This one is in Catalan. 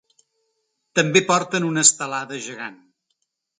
També porten una estelada gegant.